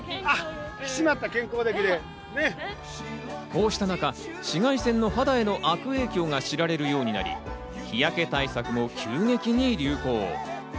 こうした中、紫外線の肌への悪影響が知られるようになり、日焼け対策も急激に流行。